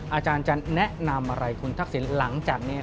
อาจารย์จะแนะนำอะไรคุณทักษิณหลังจากนี้